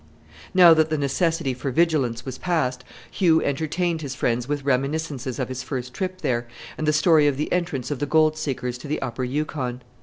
Now that the necessity for vigilance was past, Hugh entertained his friends with reminiscences of his first trip there, and the story of the entrance of the gold seekers to the Upper Yukon.